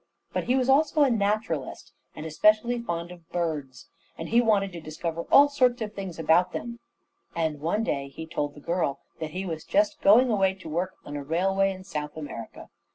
But he was also a naturalist, and especially fond of birds, and he wanted to discover all sorts of things about them; and one day he told the girl that he was just going away to work on a railway in South America.